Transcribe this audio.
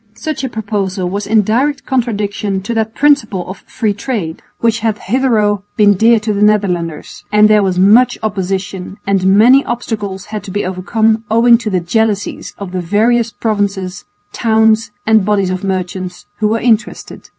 Such a proposal was in direct contradiction to that principle of free trade which had hitherto been dear to the Netherlanders, and there was much opposition, and many obstacles had to be overcome owing to the jealousies of the various provinces, towns and bodies of merchants who were interested.